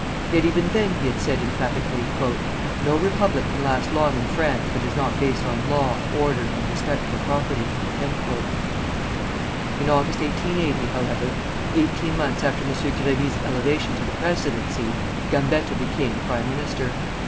Yet even then he had said emphatically: "No republic can last long in France that is not based on law, order, and respect for property." In August, 1880, however, eighteen months after M. Grévy's elevation to the presidency, Gambetta became prime minister.